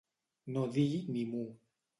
No dir ni mu.